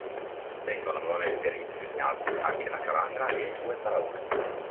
Vengono nuovamente ridisegnati anche la calandra ed i due paraurti.